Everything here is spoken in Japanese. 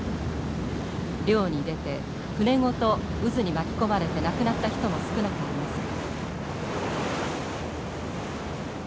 漁に出て船ごと渦に巻き込まれて亡くなった人も少なくありません。